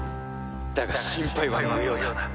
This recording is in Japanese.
「だが心配は無用だ」